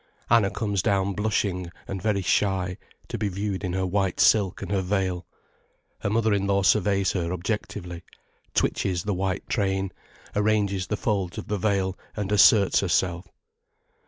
Anna comes down blushing and very shy, to be viewed in her white silk and her veil. Her mother in law surveys her objectively, twitches the white train, arranges the folds of the veil and asserts herself.